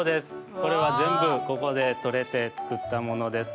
これはぜんぶここでとれてつくったものです。